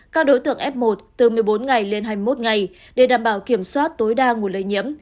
các đối tượng f một từ một mươi bốn ngày lên hai mươi một ngày để đảm bảo kiểm soát tối đa nguồn lây nhiễm